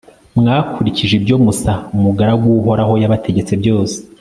mwakurikije ibyo musa, umugaragu w'uhoraho, yabategetse byose